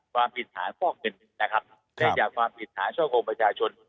ความผิดฐานฟ่อเงินนะครับได้จากความผิดฐานช่อโครงประชาชน